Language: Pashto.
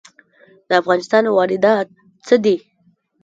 د افغانستان واردات څه دي؟